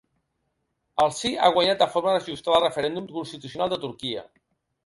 El Sí ha guanyat de forma ajustada al referèndum constitucional de Turquia.